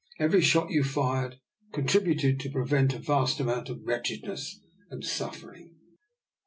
Every shot you fired contributed to prevent a vast amount of wretchedness and suffering."